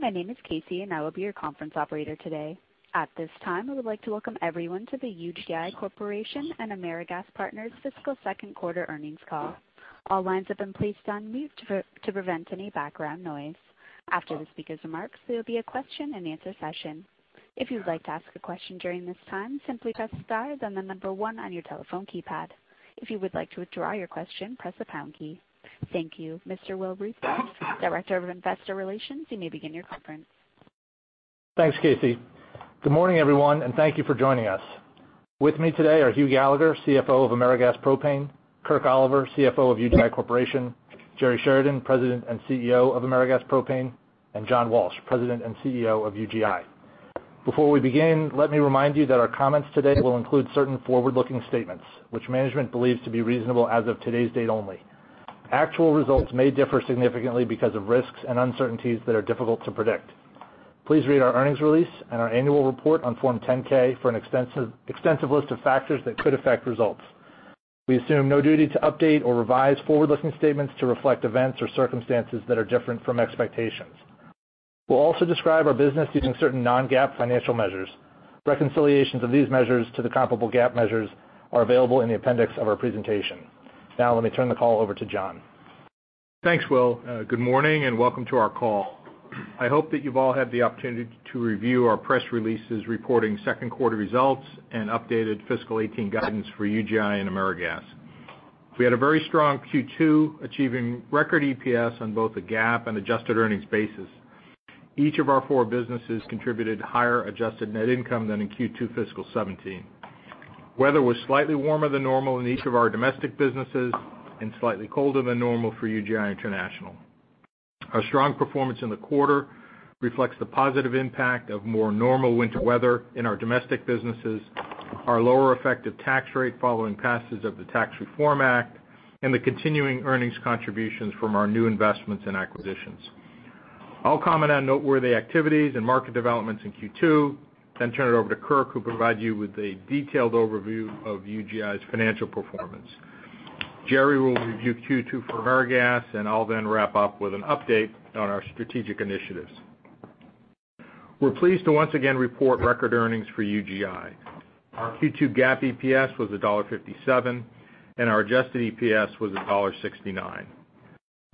My name is Casey, and I will be your conference operator today. At this time, we would like to welcome everyone to the UGI Corporation and AmeriGas Partners Fiscal Second Quarter Earnings Call. All lines have been placed on mute to prevent any background noise. After the speaker's remarks, there will be a question-and-answer session. If you would like to ask a question during this time, simply press star, then the number 1 on your telephone keypad. If you would like to withdraw your question, press the pound key. Thank you. Mr. Will Ruthrauff, Director of Investor Relations, you may begin your conference. Thanks, Casey. Good morning, everyone, and thank you for joining us. With me today are Hugh Gallagher, CFO of AmeriGas Propane, Kirk Oliver, CFO of UGI Corporation, Jerry Sheridan, President and CEO of AmeriGas Propane, and John Walsh, President and CEO of UGI. Before we begin, let me remind you that our comments today will include certain forward-looking statements, which management believes to be reasonable as of today's date only. Actual results may differ significantly because of risks and uncertainties that are difficult to predict. Please read our earnings release and our annual report on Form 10-K for an extensive list of factors that could affect results. We assume no duty to update or revise forward-looking statements to reflect events or circumstances that are different from expectations. We'll also describe our business using certain non-GAAP financial measures. Reconciliations of these measures to the comparable GAAP measures are available in the appendix of our presentation. Now, let me turn the call over to John. Thanks, Will. Good morning and welcome to our call. I hope that you've all had the opportunity to review our press releases reporting second quarter results and updated fiscal 2018 guidance for UGI and AmeriGas. We had a very strong Q2, achieving record EPS on both the GAAP and adjusted earnings basis. Each of our four businesses contributed higher adjusted net income than in Q2 fiscal 2017. Weather was slightly warmer than normal in each of our domestic businesses and slightly colder than normal for UGI International. Our strong performance in the quarter reflects the positive impact of more normal winter weather in our domestic businesses, our lower effective tax rate following passage of the Tax Reform Act, and the continuing earnings contributions from our new investments and acquisitions. I'll comment on noteworthy activities and market developments in Q2, then turn it over to Kirk, who'll provide you with a detailed overview of UGI's financial performance. Jerry will review Q2 for AmeriGas, and I'll then wrap up with an update on our strategic initiatives. We're pleased to once again report record earnings for UGI. Our Q2 GAAP EPS was $1.57, and our adjusted EPS was $1.69.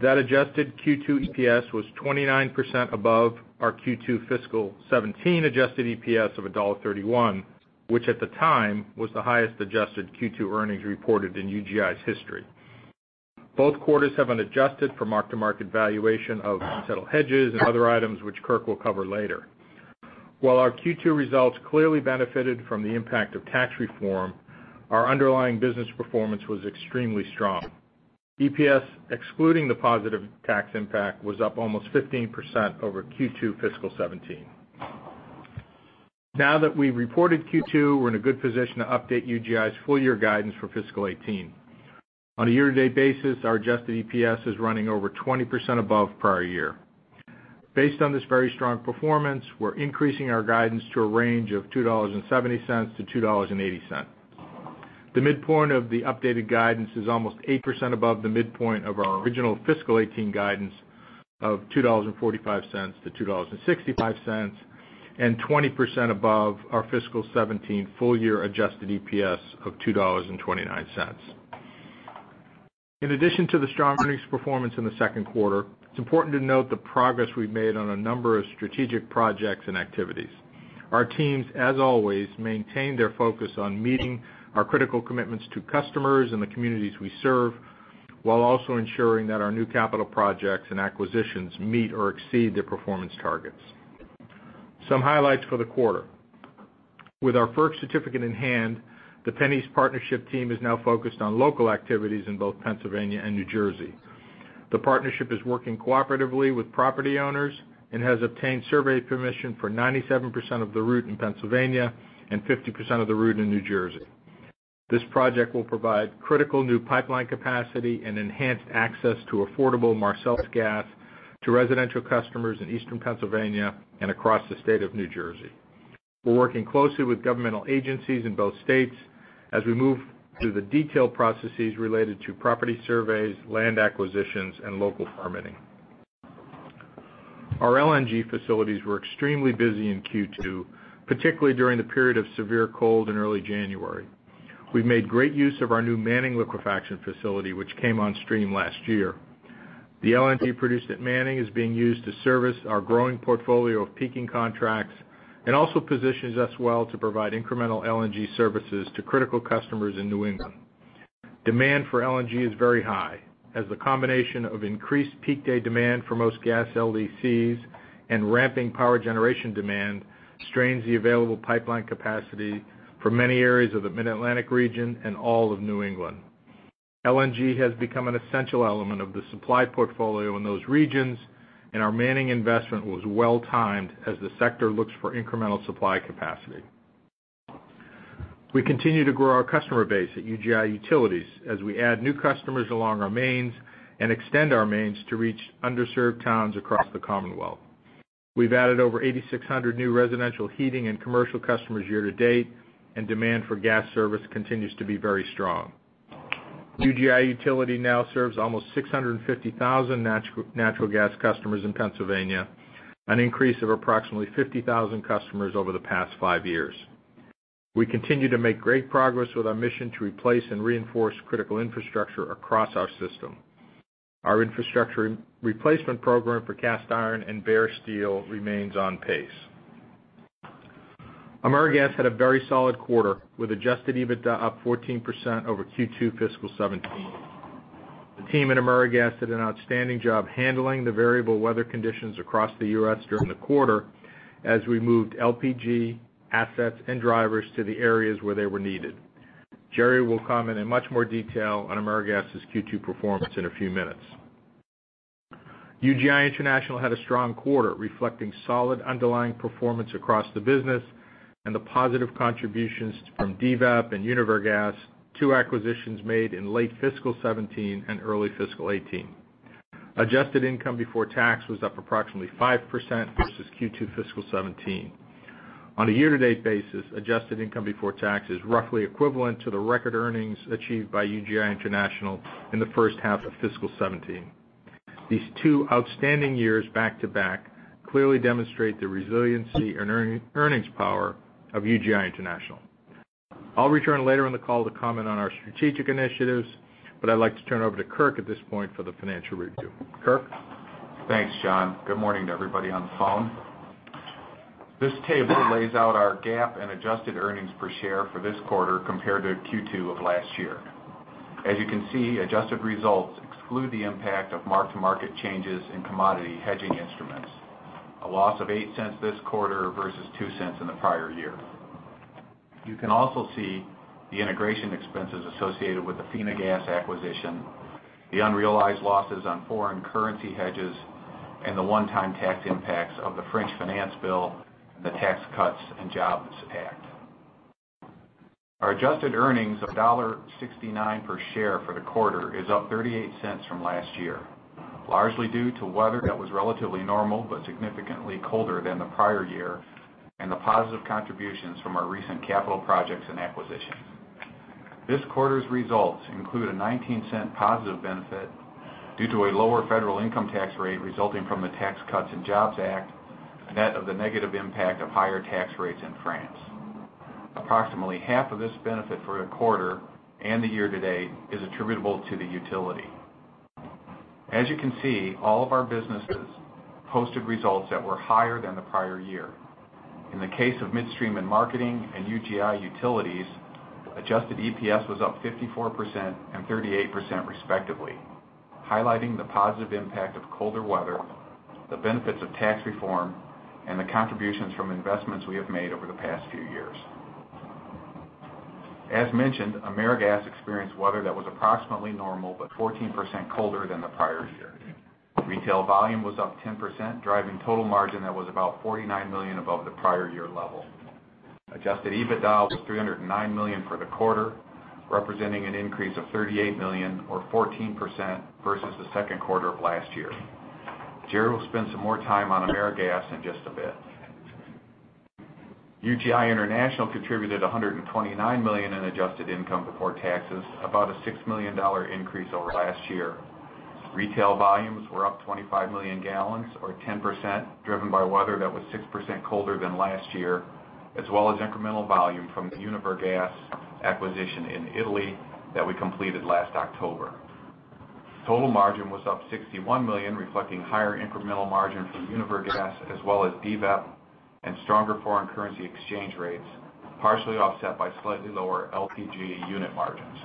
That adjusted Q2 EPS was 29% above our Q2 fiscal 2017 adjusted EPS of $1.31, which at the time was the highest adjusted Q2 earnings reported in UGI's history. Both quarters have been adjusted for mark-to-market valuation of unsettled hedges and other items, which Kirk will cover later. While our Q2 results clearly benefited from the impact of tax reform, our underlying business performance was extremely strong. EPS, excluding the positive tax impact, was up almost 15% over Q2 fiscal 2017. Now that we've reported Q2, we're in a good position to update UGI's full-year guidance for fiscal 2018. On a year-to-date basis, our adjusted EPS is running over 20% above prior year. Based on this very strong performance, we're increasing our guidance to a range of $2.70-$2.80. The midpoint of the updated guidance is almost 8% above the midpoint of our original fiscal 2018 guidance of $2.45-$2.65 and 20% above our fiscal 2017 full-year adjusted EPS of $2.29. In addition to the strong earnings performance in the second quarter, it's important to note the progress we've made on a number of strategic projects and activities. Our teams, as always, maintain their focus on meeting our critical commitments to customers and the communities we serve, while also ensuring that our new capital projects and acquisitions meet or exceed their performance targets. Some highlights for the quarter. With our FERC certificate in hand, the PennEast partnership team is now focused on local activities in both Pennsylvania and New Jersey. The partnership is working cooperatively with property owners and has obtained survey permission for 97% of the route in Pennsylvania and 50% of the route in New Jersey. This project will provide critical new pipeline capacity and enhanced access to affordable Marcellus gas to residential customers in eastern Pennsylvania and across the state of New Jersey. We're working closely with governmental agencies in both states as we move through the detailed processes related to property surveys, land acquisitions, and local permitting. Our LNG facilities were extremely busy in Q2, particularly during the period of severe cold in early January. We've made great use of our new Manning liquefaction facility, which came on stream last year. The LNG produced at Manning is being used to service our growing portfolio of peaking contracts and also positions us well to provide incremental LNG services to critical customers in New England. Demand for LNG is very high, as the combination of increased peak day demand for most gas LDCs and ramping power generation demand strains the available pipeline capacity for many areas of the Mid-Atlantic region and all of New England. LNG has become an essential element of the supply portfolio in those regions, and our Manning investment was well-timed as the sector looks for incremental supply capacity. We continue to grow our customer base at UGI Utilities as we add new customers along our mains and extend our mains to reach underserved towns across the Commonwealth. We've added over 8,600 new residential heating and commercial customers year to date, and demand for gas service continues to be very strong. UGI Utilities now serves almost 650,000 natural gas customers in Pennsylvania, an increase of approximately 50,000 customers over the past five years. We continue to make great progress with our mission to replace and reinforce critical infrastructure across our system. Our infrastructure replacement program for cast iron and bare steel remains on pace. AmeriGas had a very solid quarter, with adjusted EBITDA up 14% over Q2 fiscal 2017. The team at AmeriGas did an outstanding job handling the variable weather conditions across the U.S. during the quarter, as we moved LPG assets and drivers to the areas where they were needed. Jerry will comment in much more detail on AmeriGas's Q2 performance in a few minutes. UGI International had a strong quarter, reflecting solid underlying performance across the business and the positive contributions from DVEP and UniverGas, two acquisitions made in late fiscal 2017 and early fiscal 2018. Adjusted income before tax was up approximately 5% versus Q2 fiscal 2017. On a year-to-date basis, adjusted income before tax is roughly equivalent to the record earnings achieved by UGI International in the first half of fiscal 2017. These two outstanding years back to back clearly demonstrate the resiliency and earnings power of UGI International. I'll return later in the call to comment on our strategic initiatives, but I'd like to turn over to Kirk at this point for the financial review. Kirk? Thanks, John. Good morning to everybody on the phone. This table lays out our GAAP and adjusted earnings per share for this quarter compared to Q2 of last year. As you can see, adjusted results exclude the impact of mark-to-market changes in commodity hedging instruments. A loss of $0.08 this quarter versus $0.02 in the prior year. You can also see the integration expenses associated with the Finagaz acquisition, the unrealized losses on foreign currency hedges, and the one-time tax impacts of the French Finance Bill for 2018, the Tax Cuts and Jobs Act of 2017. Our adjusted earnings of $1.69 per share for the quarter is up $0.38 from last year, largely due to weather that was relatively normal but significantly colder than the prior year, and the positive contributions from our recent capital projects and acquisitions. This quarter's results include a $0.19 positive benefit due to a lower federal income tax rate resulting from the Tax Cuts and Jobs Act of 2017, net of the negative impact of higher tax rates in France. Approximately half of this benefit for the quarter and the year to date is attributable to the utility. As you can see, all of our businesses posted results that were higher than the prior year. In the case of Midstream & Marketing and UGI Utilities, adjusted EPS was up 54% and 38% respectively, highlighting the positive impact of colder weather, the benefits of tax reform, and the contributions from investments we have made over the past few years. As mentioned, AmeriGas experienced weather that was approximately normal, but 14% colder than the prior year. Retail volume was up 10%, driving total margin that was about $49 million above the prior year level. Adjusted EBITDA was $309 million for the quarter, representing an increase of $38 million, or 14%, versus the second quarter of last year. Jerry will spend some more time on AmeriGas in just a bit. UGI International contributed $129 million in adjusted income before taxes, about a $6 million increase over last year. Retail volumes were up 25 million gallons, or 10%, driven by weather that was 6% colder than last year, as well as incremental volume from the UniverGas acquisition in Italy that we completed last October. Total margin was up $61 million, reflecting higher incremental margin from UniverGas, as well as DVEP and stronger foreign currency exchange rates, partially offset by slightly lower LPG unit margins.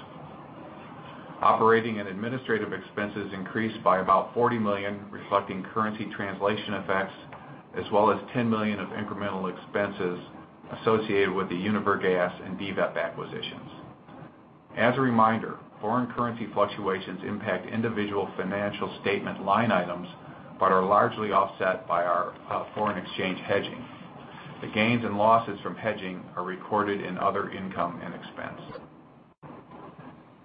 Operating and administrative expenses increased by about $40 million, reflecting currency translation effects, as well as $10 million of incremental expenses associated with the UniverGas and DVEP acquisitions. As a reminder, foreign currency fluctuations impact individual financial statement line items, but are largely offset by our foreign exchange hedging. The gains and losses from hedging are recorded in other income and expense.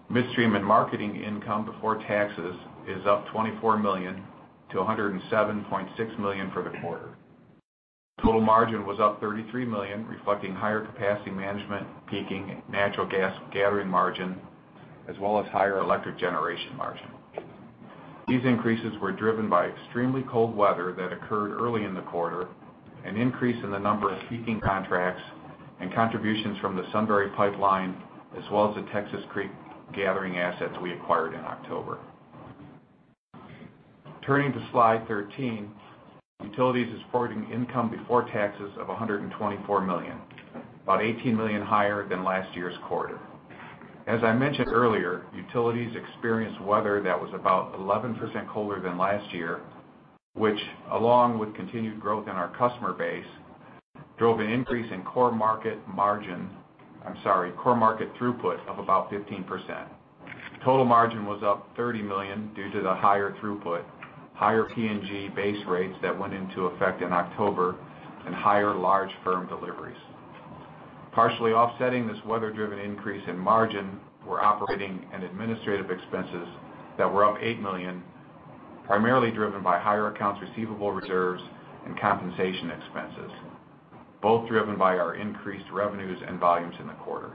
Midstream & Marketing income before taxes is up $24 million to $107.6 million for the quarter. Total margin was up $33 million, reflecting higher capacity management, peaking natural gas gathering margin, as well as higher electric generation margin. These increases were driven by extremely cold weather that occurred early in the quarter, an increase in the number of peaking contracts and contributions from the Sunbury pipeline, as well as the Texas Creek gathering assets we acquired in October. Turning to slide 13, Utilities is reporting income before taxes of $124 million, about $18 million higher than last year's quarter. As I mentioned earlier, Utilities experienced weather that was about 11% colder than last year, which along with continued growth in our customer base, drove an increase in core market throughput of about 15%. Total margin was up $30 million due to the higher throughput, higher PGC base rates that went into effect in October, and higher large firm deliveries. Partially offsetting this weather-driven increase in margin were operating and administrative expenses that were up $8 million. Primarily driven by higher accounts receivable reserves and compensation expenses, both driven by our increased revenues and volumes in the quarter.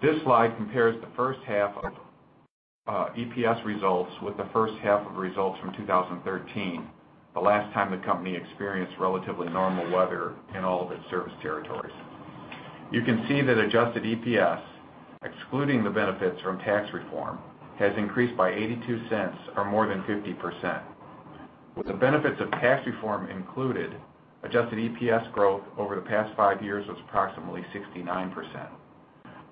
This slide compares the first half of EPS results with the first half of results from 2013, the last time the company experienced relatively normal weather in all of its service territories. You can see that adjusted EPS, excluding the benefits from tax reform, has increased by $0.82 or more than 50%. With the benefits of tax reform included, adjusted EPS growth over the past five years was approximately 69%.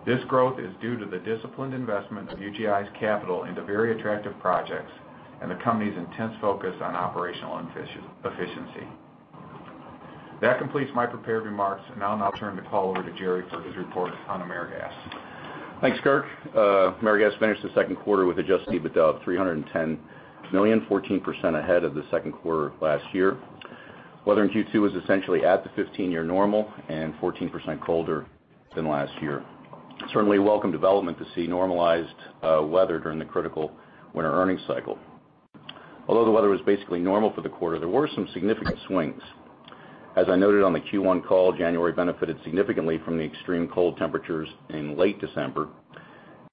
This growth is due to the disciplined investment of UGI's capital into very attractive projects and the company's intense focus on operational efficiency. That completes my prepared remarks, and now I'll turn the call over to Jerry for his report on AmeriGas. Thanks, Kirk. AmeriGas finished the second quarter with adjusted EBITDA of $310 million, 14% ahead of the second quarter of last year. Weather in Q2 was essentially at the 15-year normal and 14% colder than last year. Certainly, a welcome development to see normalized weather during the critical winter earnings cycle. Although the weather was basically normal for the quarter, there were some significant swings. As I noted on the Q1 call, January benefited significantly from the extreme cold temperatures in late December.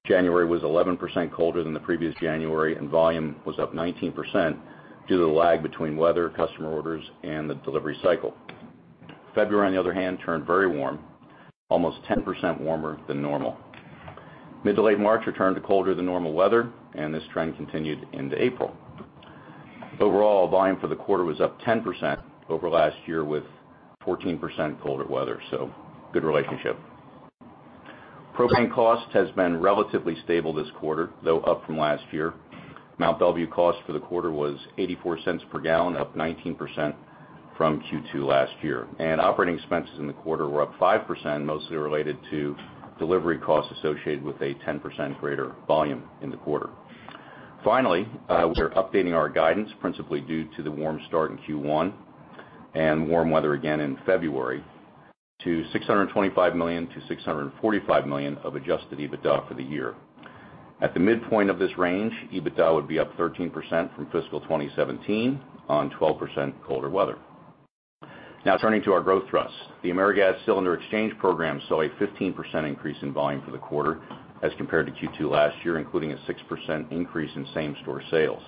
January was 11% colder than the previous January, volume was up 19% due to the lag between weather, customer orders, and the delivery cycle. February, on the other hand, turned very warm, almost 10% warmer than normal. Mid to late March returned to colder than normal weather, this trend continued into April. Overall, volume for the quarter was up 10% over last year with 14% colder weather, good relationship. Propane cost has been relatively stable this quarter, though up from last year. Mont Belvieu cost for the quarter was $0.84 per gallon, up 19% from Q2 last year. Operating expenses in the quarter were up 5%, mostly related to delivery costs associated with a 10% greater volume in the quarter. Finally, we are updating our guidance principally due to the warm start in Q1 and warm weather again in February to $625 million to $645 million of adjusted EBITDA for the year. At the midpoint of this range, EBITDA would be up 13% from fiscal 2017 on 12% colder weather. Now turning to our growth thrust. The AmeriGas Cylinder Exchange program saw a 15% increase in volume for the quarter as compared to Q2 last year, including a 6% increase in same-store sales.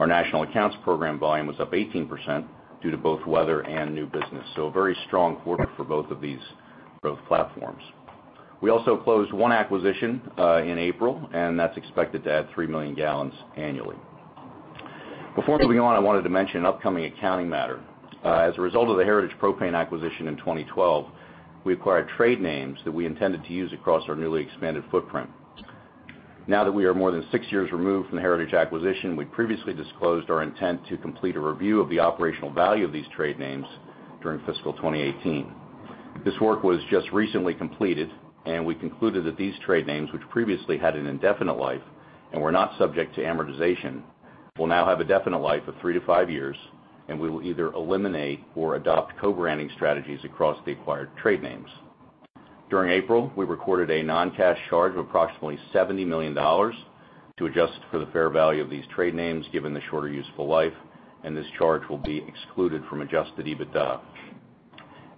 Our national accounts program volume was up 18% due to both weather and new business. A very strong quarter for both of these growth platforms. We also closed 1 acquisition in April, that's expected to add 3 million gallons annually. Before moving on, I wanted to mention an upcoming accounting matter. As a result of the Heritage Propane acquisition in 2012, we acquired trade names that we intended to use across our newly expanded footprint. Now that we are more than 6 years removed from the Heritage acquisition, we previously disclosed our intent to complete a review of the operational value of these trade names during fiscal 2018. This work was just recently completed, we concluded that these trade names, which previously had an indefinite life and were not subject to amortization, will now have a definite life of 3-5 years, we will either eliminate or adopt co-branding strategies across the acquired trade names. During April, we recorded a non-cash charge of approximately $70 million to adjust for the fair value of these trade names, given the shorter useful life, this charge will be excluded from adjusted EBITDA.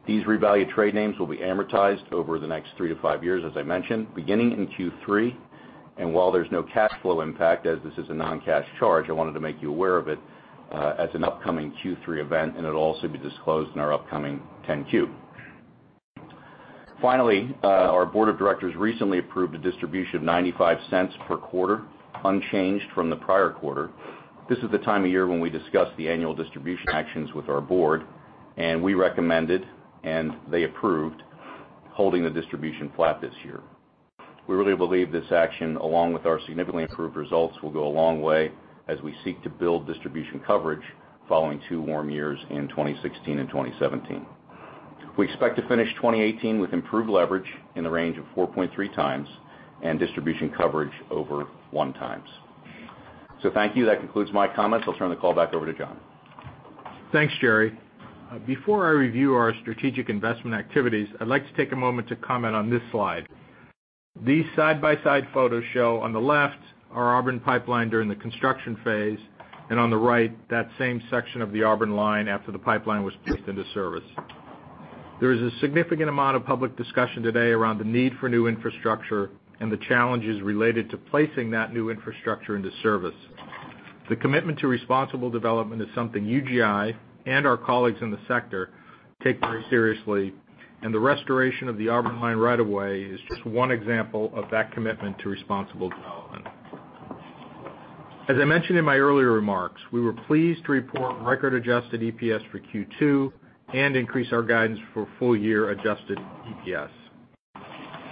These revalued trade names will be amortized over the next 3-5 years, as I mentioned, beginning in Q3. While there's no cash flow impact, as this is a non-cash charge, I wanted to make you aware of it as an upcoming Q3 event, it'll also be disclosed in our upcoming 10-Q. Our board of directors recently approved a distribution of $0.95 per quarter, unchanged from the prior quarter. This is the time of year when we discuss the annual distribution actions with our board, and we recommended, and they approved, holding the distribution flat this year. We really believe this action, along with our significantly improved results, will go a long way as we seek to build distribution coverage following two warm years in 2016 and 2017. We expect to finish 2018 with improved leverage in the range of 4.3x and distribution coverage over 1x. Thank you. That concludes my comments. I'll turn the call back over to John. Thanks, Jerry. Before I review our strategic investment activities, I'd like to take a moment to comment on this slide. These side-by-side photos show on the left our Auburn pipeline during the construction phase, and on the right, that same section of the Auburn line after the pipeline was put into service. There is a significant amount of public discussion today around the need for new infrastructure and the challenges related to placing that new infrastructure into service. The commitment to responsible development is something UGI and our colleagues in the sector take very seriously, and the restoration of the Auburn line right away is just one example of that commitment to responsible development. As I mentioned in my earlier remarks, we were pleased to report record adjusted EPS for Q2 and increase our guidance for full year adjusted EPS.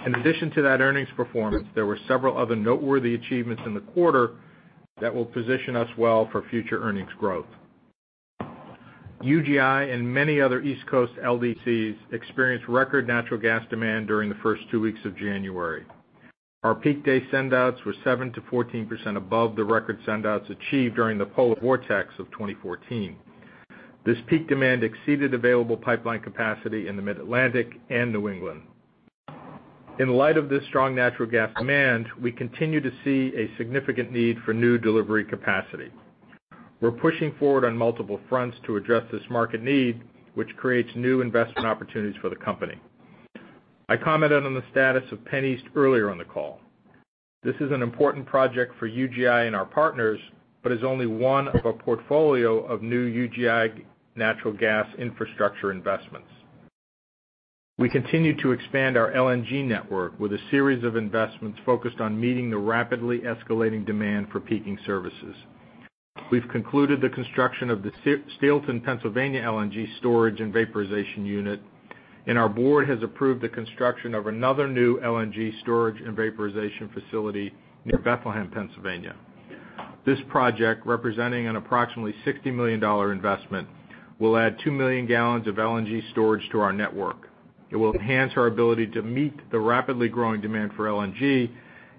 In addition to that earnings performance, there were several other noteworthy achievements in the quarter that will position us well for future earnings growth. UGI and many other East Coast LDCs experienced record natural gas demand during the first two weeks of January. Our peak day sendouts were 7%-14% above the record sendouts achieved during the polar vortex of 2014. This peak demand exceeded available pipeline capacity in the Mid-Atlantic and New England In light of this strong natural gas demand, we continue to see a significant need for new delivery capacity. We're pushing forward on multiple fronts to address this market need, which creates new investment opportunities for the company. I commented on the status of PennEast earlier on the call. This is an important project for UGI and our partners, but is only one of a portfolio of new UGI natural gas infrastructure investments. We continue to expand our LNG network with a series of investments focused on meeting the rapidly escalating demand for peaking services. We've concluded the construction of the Steelton, Pennsylvania LNG storage and vaporization unit, and our board has approved the construction of another new LNG storage and vaporization facility near Bethlehem, Pennsylvania. This project, representing an approximately $60 million investment, will add 2 million gallons of LNG storage to our network. It will enhance our ability to meet the rapidly growing demand for LNG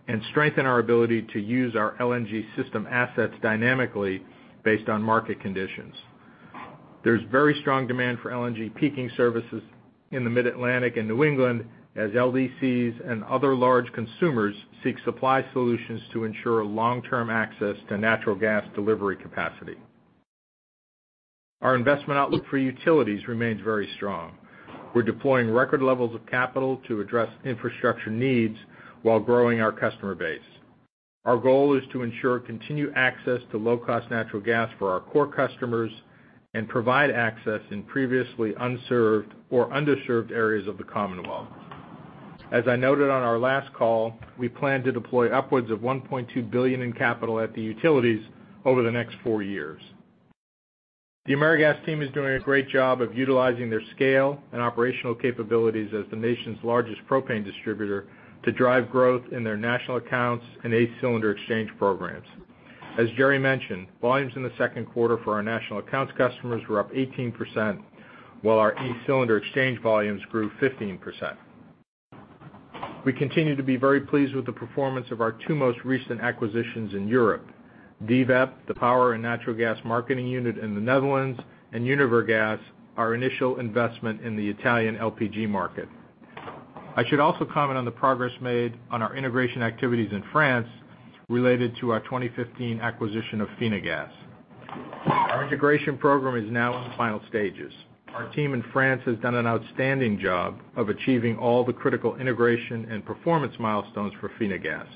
and strengthen our ability to use our LNG system assets dynamically based on market conditions. There's very strong demand for LNG peaking services in the Mid-Atlantic and New England as LDCs and other large consumers seek supply solutions to ensure long-term access to natural gas delivery capacity. Our investment outlook for utilities remains very strong. We're deploying record levels of capital to address infrastructure needs while growing our customer base. Our goal is to ensure continued access to low-cost natural gas for our core customers and provide access in previously unserved or underserved areas of the Commonwealth. As I noted on our last call, we plan to deploy upwards of $1.2 billion in capital at the utilities over the next four years. The AmeriGas team is doing a great job of utilizing their scale and operational capabilities as the nation's largest propane distributor to drive growth in their national accounts and ACE's cylinder exchange programs. As Jerry mentioned, volumes in the second quarter for our national accounts customers were up 18%, while our ACE's cylinder exchange volumes grew 15%. We continue to be very pleased with the performance of our two most recent acquisitions in Europe, DVEP, the power and natural gas marketing unit in the Netherlands, and UniverGas, our initial investment in the Italian LPG market. I should also comment on the progress made on our integration activities in France related to our 2015 acquisition of Finagaz. Our integration program is now in the final stages. Our team in France has done an outstanding job of achieving all the critical integration and performance milestones for Finagaz.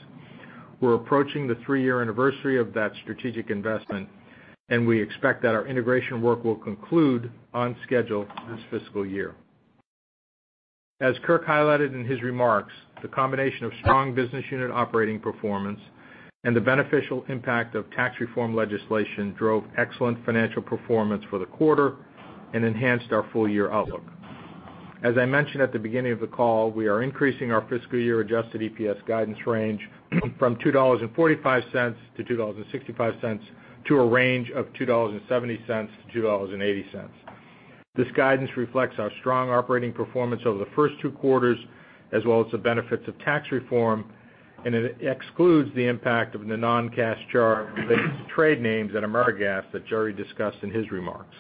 We're approaching the three-year anniversary of that strategic investment. We expect that our integration work will conclude on schedule this fiscal year. As Kirk highlighted in his remarks, the combination of strong business unit operating performance and the beneficial impact of tax reform legislation drove excellent financial performance for the quarter and enhanced our full-year outlook. As I mentioned at the beginning of the call, we are increasing our fiscal year adjusted EPS guidance range from $2.45-$2.65 to a range of $2.70-$2.80. This guidance reflects our strong operating performance over the first two quarters, as well as the benefits of tax reform, and it excludes the impact of the non-cash charge related to trade names at AmeriGas that Jerry discussed in his remarks.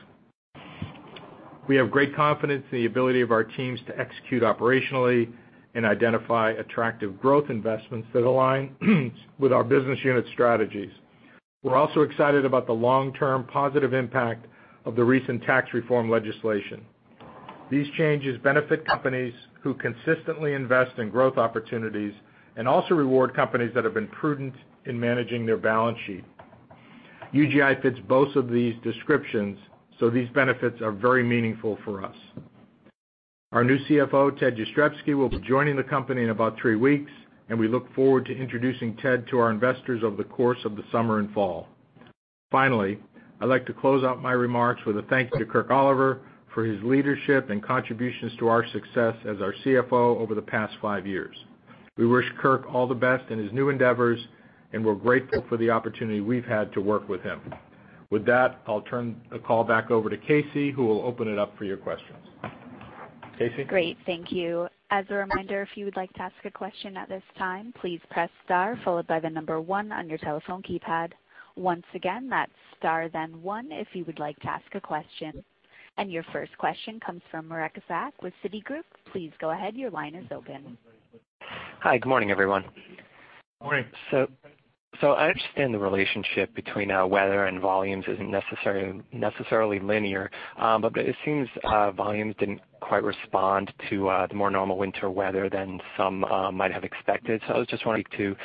We have great confidence in the ability of our teams to execute operationally and identify attractive growth investments that align with our business unit strategies. We're also excited about the long-term positive impact of the recent tax reform legislation. These changes benefit companies who consistently invest in growth opportunities and also reward companies that have been prudent in managing their balance sheet. UGI fits both of these descriptions. These benefits are very meaningful for us. Our new CFO, Ted Jastrzebski, will be joining the company in about three weeks. We look forward to introducing Ted to our investors over the course of the summer and fall. Finally, I'd like to close out my remarks with a thank you to Kirk Oliver for his leadership and contributions to our success as our CFO over the past five years. We wish Kirk all the best in his new endeavors. We're grateful for the opportunity we've had to work with him. With that, I'll turn the call back over to Casey, who will open it up for your questions. Casey? Great. Thank you. As a reminder, if you would like to ask a question at this time, please press star followed by the number one on your telephone keypad. Once again, that's star then one if you would like to ask a question. Your first question comes from Mareka Sack with Citigroup. Please go ahead, your line is open. Hi. Good morning, everyone. Morning. I understand the relationship between weather and volumes isn't necessarily linear. It seems volumes didn't quite respond to the more normal winter weather than some might have expected. I was just wondering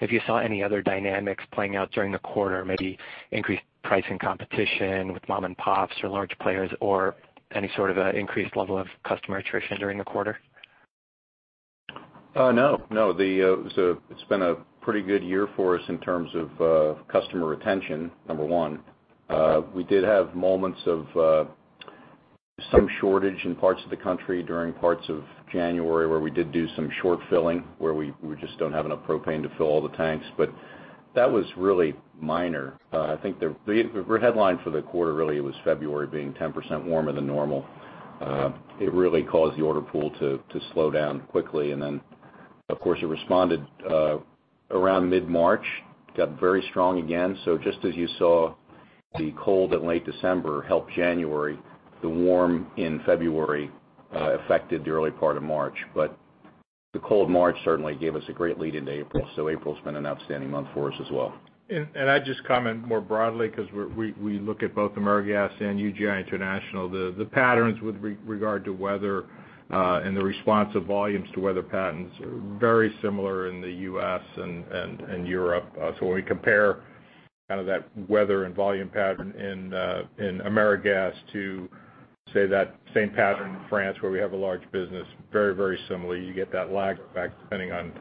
if you saw any other dynamics playing out during the quarter, maybe increased pricing competition with mom and pops or large players, or any sort of increased level of customer attrition during the quarter? No. It's been a pretty good year for us in terms of customer retention, number one. We did have moments of some shortage in parts of the country during parts of January where we did do some short filling, where we just don't have enough propane to fill all the tanks. That was really minor. I think the headline for the quarter really was February being 10% warmer than normal. It really caused the order pool to slow down quickly, and then, of course, it responded around mid-March. Got very strong again. Just as you saw The cold in late December helped January. The warm in February affected the early part of March. The cold March certainly gave us a great lead into April. April's been an outstanding month for us as well. I'd just comment more broadly because we look at both AmeriGas and UGI International. The patterns with regard to weather and the response of volumes to weather patterns are very similar in the U.S. and Europe. When we compare kind of that weather and volume pattern in AmeriGas to, say, that same pattern in France where we have a large business, very similarly. You get that lag effect depending on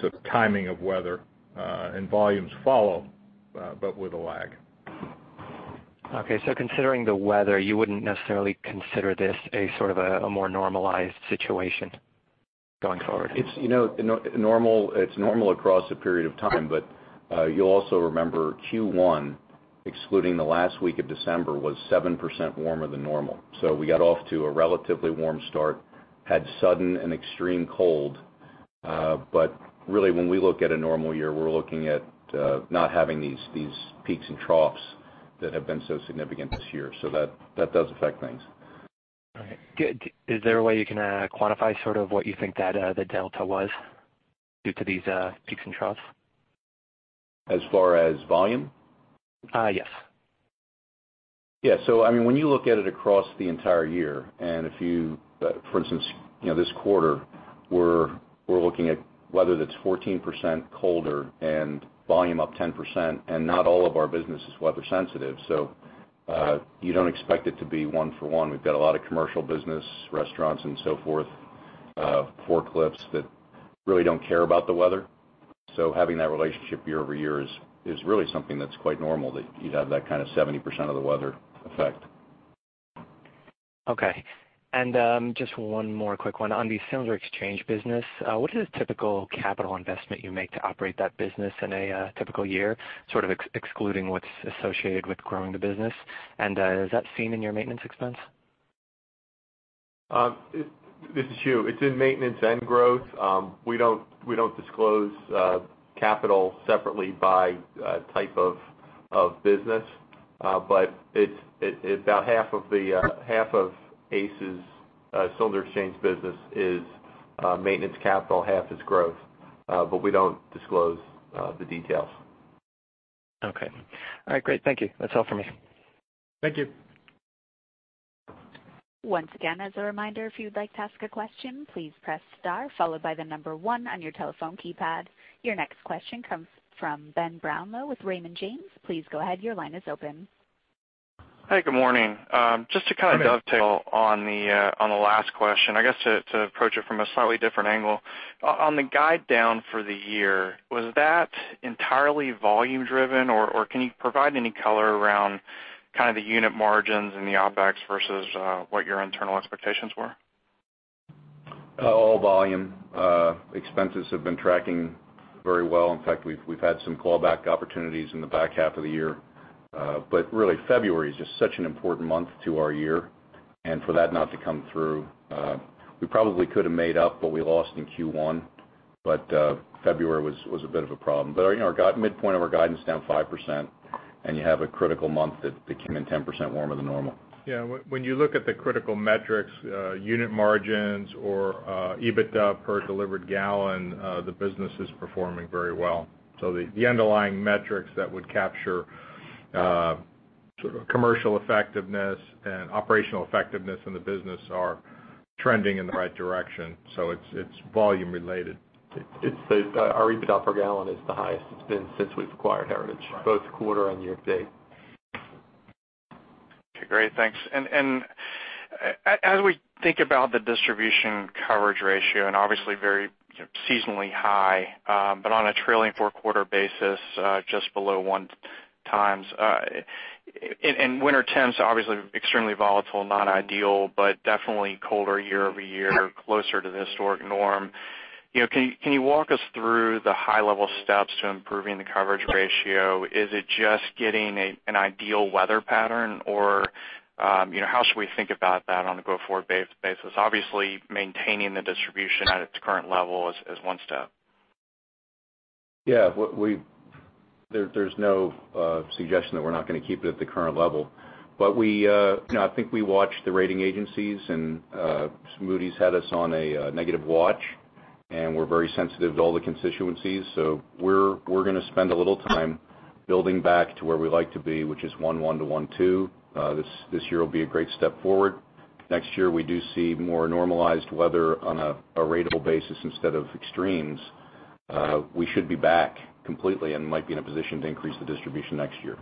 sort of timing of weather, and volumes follow, but with a lag. Considering the weather, you wouldn't necessarily consider this a sort of a more normalized situation going forward. It's normal across a period of time. You'll also remember Q1, excluding the last week of December, was 7% warmer than normal. We got off to a relatively warm start, had sudden and extreme cold. Really, when we look at a normal year, we're looking at not having these peaks and troughs that have been so significant this year. That does affect things. All right. Good. Is there a way you can quantify sort of what you think the delta was due to these peaks and troughs? As far as volume? Yes. Yeah. When you look at it across the entire year, for instance, this quarter, we're looking at weather that's 14% colder and volume up 10%. Not all of our business is weather sensitive, you don't expect it to be one for one. We've got a lot of commercial business, restaurants and so forth, forklifts that really don't care about the weather. Having that relationship year-over-year is really something that's quite normal, that you'd have that kind of 70% of the weather effect. Okay. Just one more quick one. On the cylinder exchange business, what is a typical capital investment you make to operate that business in a typical year, sort of excluding what's associated with growing the business? Is that seen in your maintenance expense? This is Hugh. It's in maintenance and growth. We don't disclose capital separately by type of business. About half of ACE's cylinder exchange business is maintenance capital, half is growth. We don't disclose the details. Okay. All right, great. Thank you. That's all for me. Thank you. Once again, as a reminder, if you'd like to ask a question, please press star followed by the number one on your telephone keypad. Your next question comes from Ben Brownlow with Raymond James. Please go ahead. Your line is open. Hi, good morning. Good morning. Just to kind of dovetail on the last question, I guess, to approach it from a slightly different angle. On the guide down for the year, was that entirely volume driven, or can you provide any color around kind of the unit margins and the OpEx versus what your internal expectations were? All volume. Expenses have been tracking very well. In fact, we've had some callback opportunities in the back half of the year. Really, February is just such an important month to our year. For that not to come through, we probably could have made up what we lost in Q1. February was a bit of a problem. Our midpoint of our guidance down 5%, and you have a critical month that came in 10% warmer than normal. Yeah. When you look at the critical metrics, unit margins or EBITDA per delivered gallon, the business is performing very well. The underlying metrics that would capture sort of commercial effectiveness and operational effectiveness in the business are trending in the right direction. It's volume related. Our EBITDA per gallon is the highest it's been since we've acquired Heritage. Right. Both quarter and year to date. Okay, great. Thanks. As we think about the distribution coverage ratio, obviously very seasonally high, but on a trailing four-quarter basis, just below one times. Winter temps obviously extremely volatile, not ideal, but definitely colder year-over-year, closer to the historic norm. Can you walk us through the high level steps to improving the coverage ratio? Is it just getting an ideal weather pattern, or how should we think about that on a go-forward basis? Obviously, maintaining the distribution at its current level is one step. Yeah. There's no suggestion that we're not going to keep it at the current level. I think we watched the rating agencies, Moody's had us on a negative watch, and we're very sensitive to all the constituencies. We're going to spend a little time building back to where we like to be, which is 1.1 to 1.2. This year will be a great step forward. Next year, we do see more normalized weather on a ratable basis instead of extremes. We should be back completely and might be in a position to increase the distribution next year.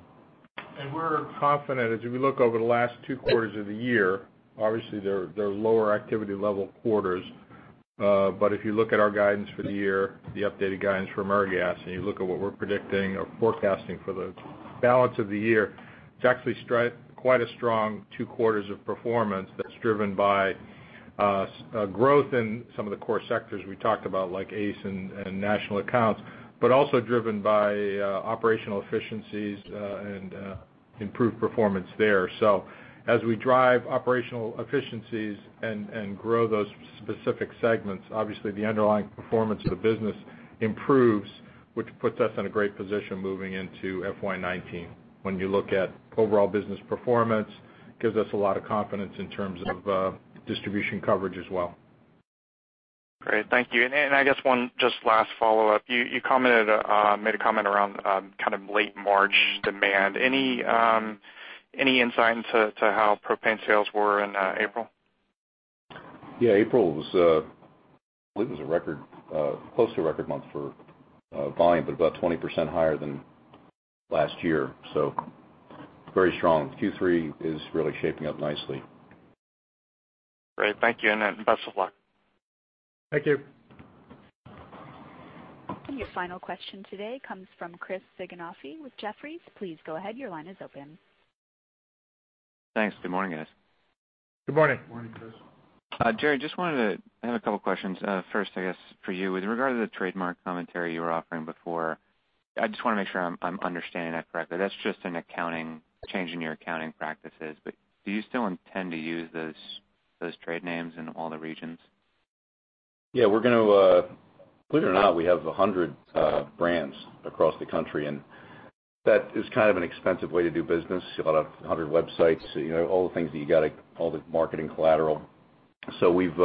We're confident as we look over the last two quarters of the year. Obviously, they're lower activity level quarters. If you look at our guidance for the year, the updated guidance from AmeriGas, and you look at what we're predicting or forecasting for the balance of the year, it's actually quite a strong two quarters of performance that's driven by growth in some of the core sectors we talked about, like ACE and national accounts. Also driven by operational efficiencies and improved performance there. As we drive operational efficiencies and grow those specific segments, obviously the underlying performance of the business improves. Which puts us in a great position moving into FY 2019. When you look at overall business performance, gives us a lot of confidence in terms of distribution coverage as well. Great. Thank you. I guess one just last follow-up. You made a comment around kind of late March demand. Any insight into how propane sales were in April? Yeah. April was, I believe it was close to a record month for volume, about 20% higher than last year. Very strong. Q3 is really shaping up nicely. Great. Thank you, best of luck. Thank you. Your final question today comes from Chris Sighinolfi with Jefferies. Please go ahead. Your line is open. Thanks. Good morning, guys. Good morning. Good morning, Chris. Jerry, I have a couple of questions. First, I guess for you. With regard to the trademark commentary you were offering before, I just want to make sure I'm understanding that correctly. That's just a change in your accounting practices. Do you still intend to use those trade names in all the regions? Yeah. Believe it or not, we have 100 brands across the country, that is kind of an expensive way to do business. You've got 100 websites, all the things that you got to all the marketing collateral. We've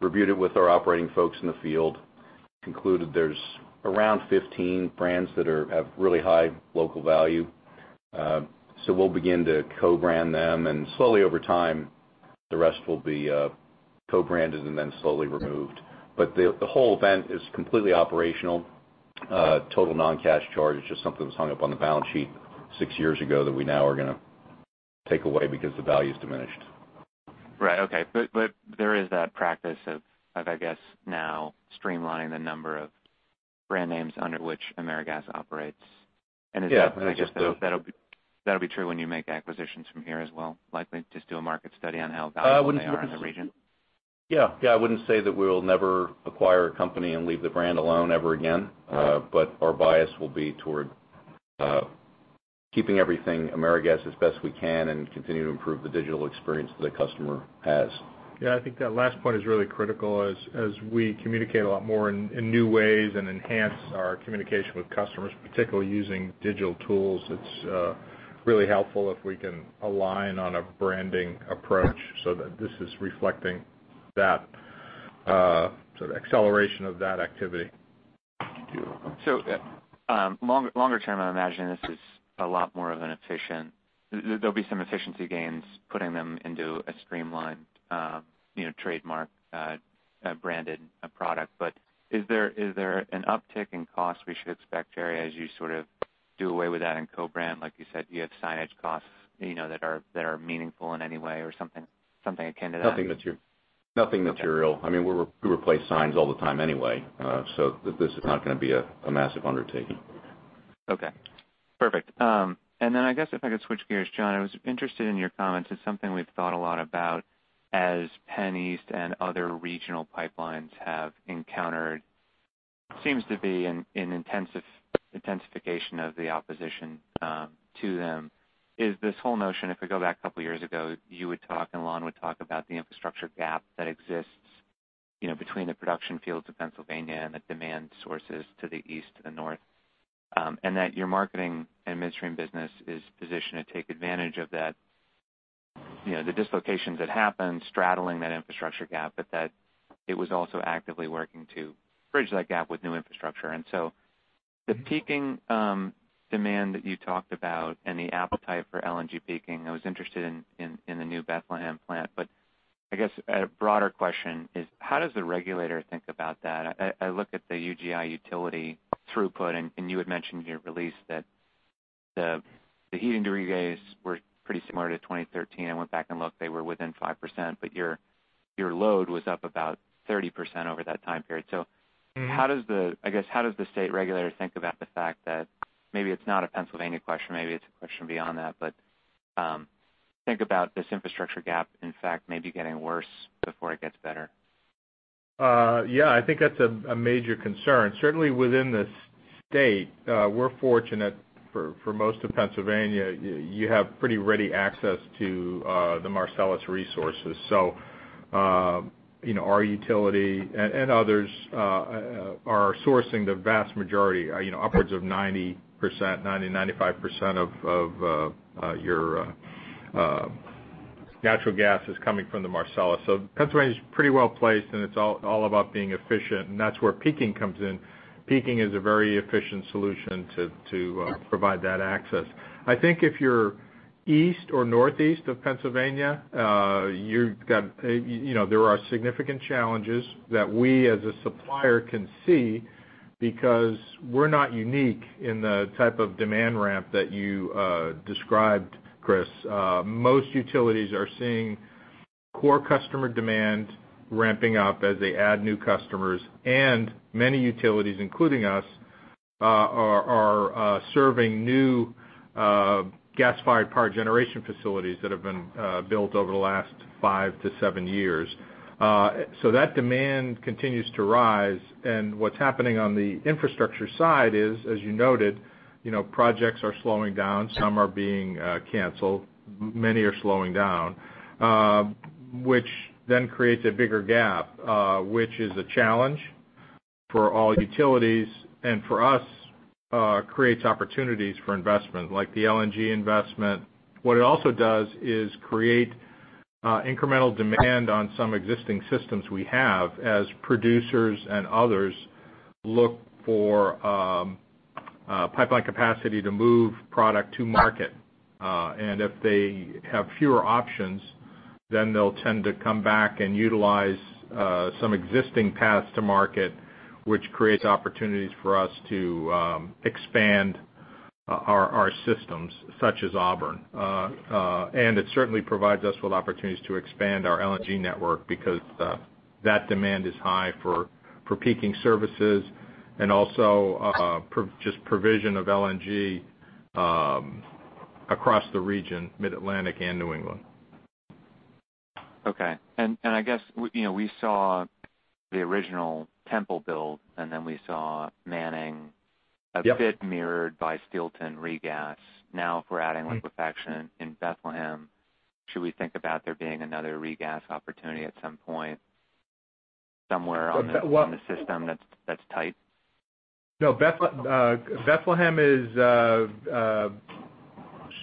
reviewed it with our operating folks in the field, concluded there's around 15 brands that have really high local value. We'll begin to co-brand them, slowly over time, the rest will be co-branded and then slowly removed. The whole event is completely operational. Total non-cash charge is just something that was hung up on the balance sheet six years ago that we now are going to take away because the value's diminished. Right. Okay. There is that practice of, I guess, now streamlining the number of brand names under which AmeriGas operates. Yeah. That'll be true when you make acquisitions from here as well, likely? Just do a market study on how valuable they are in the region? Yeah. I wouldn't say that we'll never acquire a company and leave the brand alone ever again. Our bias will be toward keeping everything AmeriGas as best we can and continue to improve the digital experience that the customer has. Yeah, I think that last point is really critical as we communicate a lot more in new ways and enhance our communication with customers, particularly using digital tools. It's really helpful if we can align on a branding approach so that this is reflecting that sort of acceleration of that activity. Longer term, I would imagine this is a lot more of an efficient there'll be some efficiency gains putting them into a streamlined trademark branded product. Is there an uptick in cost we should expect, Jerry, as you sort of do away with that and co-brand, like you said? Do you have signage costs that are meaningful in any way or something akin to that? Nothing material. Okay. We replace signs all the time anyway, so this is not going to be a massive undertaking. Okay, perfect. I guess if I could switch gears. John, I was interested in your comments. It's something we've thought a lot about as PennEast and other regional pipelines have encountered, seems to be an intensification of the opposition to them, is this whole notion, if we go back a couple of years ago, you would talk, and Lon would talk about the infrastructure gap that exists between the production fields of Pennsylvania and the demand sources to the east and north. Your Midstream & Marketing business is positioned to take advantage of the dislocations that happen straddling that infrastructure gap, but that it was also actively working to bridge that gap with new infrastructure. The peaking demand that you talked about and the appetite for LNG peaking, I was interested in the new Bethlehem plant. I guess a broader question is, how does the regulator think about that? I look at the UGI Utilities throughput, and you had mentioned in your release that the heating degree days were pretty similar to 2013. I went back and looked. They were within 5%, but your load was up about 30% over that time period. I guess, how does the state regulator think about the fact that maybe it's not a Pennsylvania question, maybe it's a question beyond that, but think about this infrastructure gap, in fact, maybe getting worse before it gets better? I think that's a major concern. Certainly within the state, we're fortunate for most of Pennsylvania, you have pretty ready access to the Marcellus resources. Our utility and others are sourcing the vast majority. Upwards of 90%, 95% of your natural gas is coming from the Marcellus. Pennsylvania's pretty well-placed, and it's all about being efficient, and that's where peaking comes in. Peaking is a very efficient solution to provide that access. I think if you're east or northeast of Pennsylvania, there are significant challenges that we, as a supplier, can see because we're not unique in the type of demand ramp that you described, Chris. Most utilities are seeing core customer demand ramping up as they add new customers, and many utilities, including us, are serving new gas-fired power generation facilities that have been built over the last 5 to 7 years. That demand continues to rise, and what's happening on the infrastructure side is, as you noted, projects are slowing down. Some are being canceled. Many are slowing down, which then creates a bigger gap, which is a challenge for all utilities, and for us, creates opportunities for investment like the LNG investment. What it also does is create incremental demand on some existing systems we have as producers and others look for pipeline capacity to move product to market. If they have fewer options, then they'll tend to come back and utilize some existing paths to market, which creates opportunities for us to expand our systems, such as Auburn. It certainly provides us with opportunities to expand our LNG network because that demand is high for peaking services and also just provision of LNG across the region, Mid-Atlantic and New England. Okay. I guess, we saw the original Temple build, then we saw Manning- Yep A bit mirrored by Steelton Regas. If we're adding liquefaction in Bethlehem, should we think about there being another regas opportunity at some point somewhere on the system that's tight? No, Bethlehem is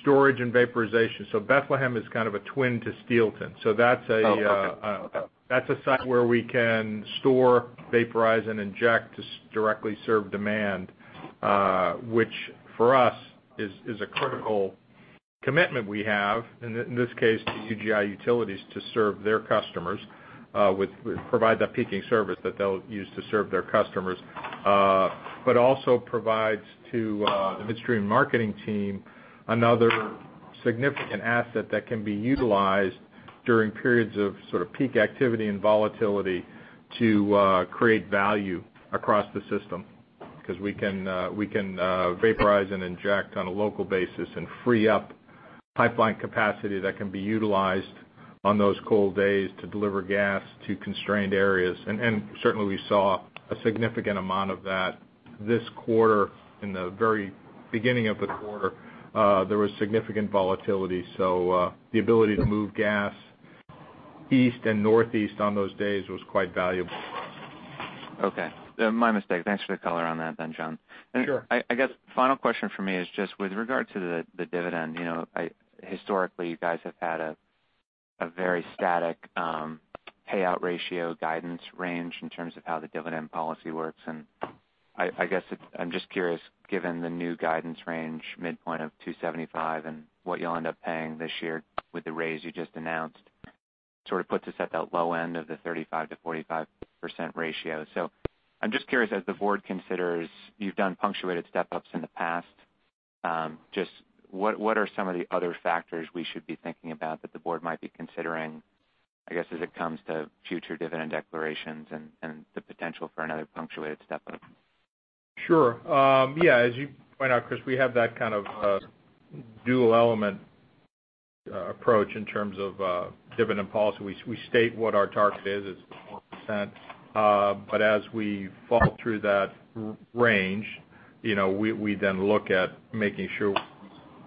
storage and vaporization. Bethlehem is kind of a twin to Steelton. Oh, okay. That's a site where we can store, vaporize, and inject to directly serve demand, which for us is a critical commitment we have, in this case, to UGI Utilities to serve their customers to provide that peaking service that they'll use to serve their customers, also provides to the Midstream & Marketing team another significant asset that can be utilized during periods of sort of peak activity and volatility to create value across the system because we can vaporize and inject on a local basis and free up pipeline capacity that can be utilized on those cold days to deliver gas to constrained areas. Certainly we saw a significant amount of that this quarter. In the very beginning of the quarter, there was significant volatility. The ability to move gas east and northeast on those days was quite valuable. Okay. My mistake. Thanks for the color on that then, John. Sure. I guess final question for me is just with regard to the dividend. Historically, you guys have had a very static payout ratio guidance range in terms of how the dividend policy works. I'm just curious, given the new guidance range midpoint of $2.75 and what you'll end up paying this year with the raise you just announced, sort of puts us at that low end of the 35%-45% ratio. I'm just curious, as the board considers, you've done punctuated step-ups in the past, just what are some of the other factors we should be thinking about that the board might be considering, I guess, as it comes to future dividend declarations and the potential for another punctuated step-up? Sure. Yeah, as you point out, Chris, we have that kind of dual element approach in terms of dividend policy. We state what our target is, it's 4%. But as we fall through that range, we then look at making sure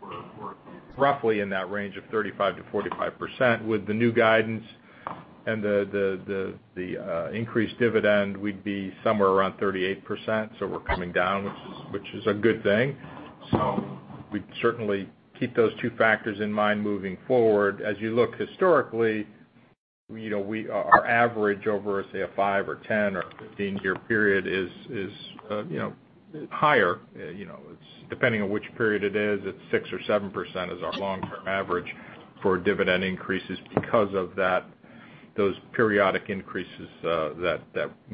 we're roughly in that range of 35%-45%. With the new guidance and the increased dividend, we'd be somewhere around 38%, so we're coming down, which is a good thing. We certainly keep those two factors in mind moving forward. As you look historically, our average over, say, a 5 or 10 or 15-year period is higher. Depending on which period it is, it's 6% or 7% is our long-term average for dividend increases because of those periodic increases that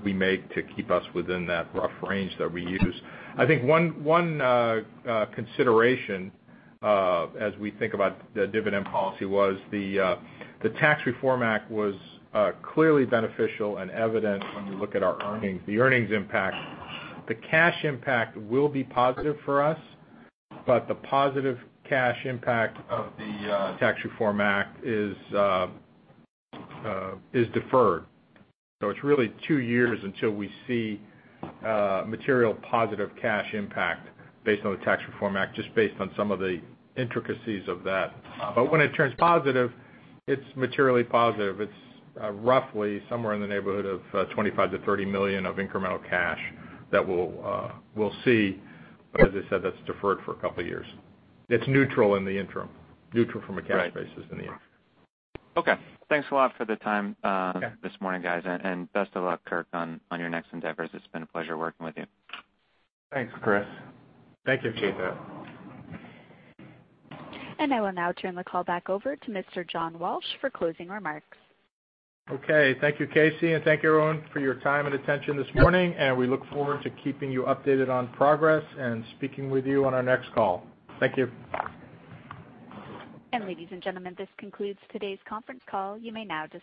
we make to keep us within that rough range that we use. I think one consideration, as we think about the dividend policy, was the Tax Cuts and Jobs Act was clearly beneficial and evident when we look at our earnings, the earnings impact. The cash impact will be positive for us, but the positive cash impact of the Tax Cuts and Jobs Act is deferred. It's really 2 years until we see material positive cash impact based on the Tax Cuts and Jobs Act, just based on some of the intricacies of that. When it turns positive, it's materially positive. It's roughly somewhere in the neighborhood of $25 million-$30 million of incremental cash that we'll see, but as I said, that's deferred for a couple of years. It's neutral in the interim. Neutral from a cash basis in the interim. Okay. Thanks a lot for the time this morning, guys, and best of luck, Kirk, on your next endeavors. It's been a pleasure working with you. Thanks, Chris. Thank you, Chris. I will now turn the call back over to Mr. John Walsh for closing remarks. Okay. Thank you, Casey, and thank you everyone for your time and attention this morning, and we look forward to keeping you updated on progress and speaking with you on our next call. Thank you. ladies and gentlemen, this concludes today's conference call. You may now disconnect.